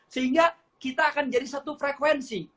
sehingga kita akan jadi satu frekuensi